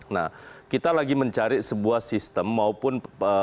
nah kita lagi mencari sebuah sistem maupun